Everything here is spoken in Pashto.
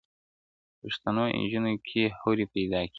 پښتنو انجونو کي حوري پيدا کيږي.